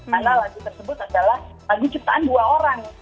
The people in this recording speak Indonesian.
karena lagu tersebut adalah lagu ciptaan dua orang